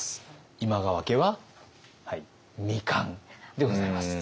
今川家は「未完」でございます。